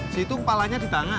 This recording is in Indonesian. situ kepalanya di tangan